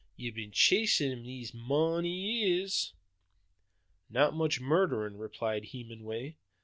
Ye've been chasin' him these mony years." "Not much murdering," replied Hemenway.